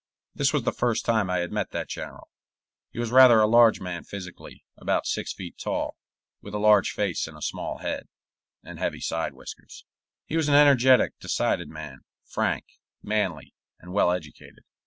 This was the first time I had met that general. He was rather a large man physically, about six feet tall, with a large face and a small head, and heavy side whiskers. He was an energetic, decided man, frank, manly, and well educated.